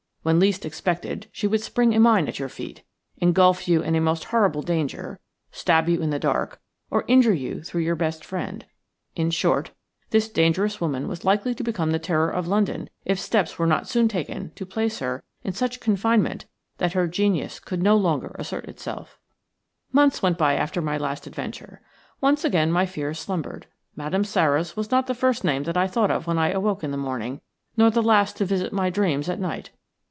When least expected she would spring a mine at your feet, engulf you in a most horrible danger, stab you in the dark, or injure you through your best friend; in short, this dangerous woman was likely to become the terror of London if steps were not soon taken to place her in such confinement that her genius could no longer assert itself. Months went by after my last adventure. Once again my fears slumbered. Madame Sara's was not the first name that I thought of when I awoke in the morning, nor the last to visit my dreams at night.